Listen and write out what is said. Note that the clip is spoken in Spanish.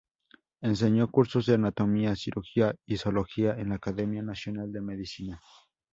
Enseñó cursos de anatomía, cirugía y zoología en la Academia Nacional de Medicina.